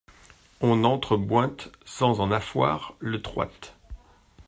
On n’andre bointe sans en affoir le troide.